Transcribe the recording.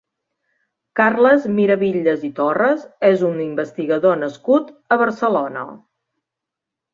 Carles Miravitlles i Torras és un investigador nascut a Barcelona.